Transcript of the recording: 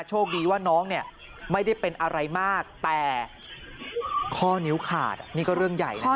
โชคดีว่าน้องเนี่ยไม่ได้เป็นอะไรมากแต่ข้อนิ้วขาดนี่ก็เรื่องใหญ่นะ